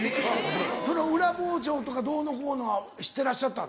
その裏包丁とかどうのこうのは知ってらっしゃった？